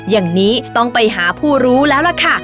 อย่างนี้ต้องไปหาผู้รู้แล้วล่ะค่ะ